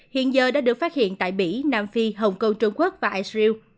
hiện giờ đã được phát hiện tại bỉ nam phi hồng kông trung quốc và israel